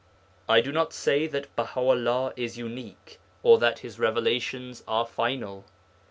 I do not say that Baha 'ullah is unique or that His revelations are final.